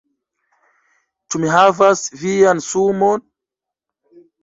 Ĉu mi havas vian sumon?